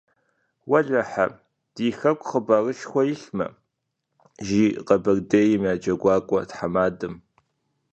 - Уэлэхьэ, ди хэку хъыбарышхуэ илъмэ, - жи Къэбэрдейм я джэгуакӀуэ тхьэмадэм.